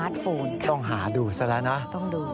ต้องหาดูซะแล้วนะ